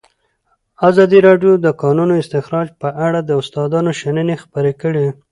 ازادي راډیو د د کانونو استخراج په اړه د استادانو شننې خپرې کړي.